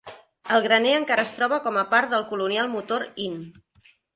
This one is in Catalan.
El graner encara es troba com a part del colonial Motor Inn.